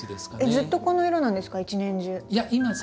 ずっとこの色なんですか？